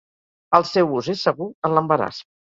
El seu ús és segur en l'embaràs.